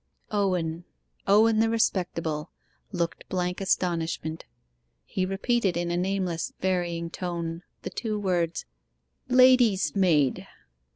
Owen Owen the respectable looked blank astonishment. He repeated in a nameless, varying tone, the two words 'Lady's maid!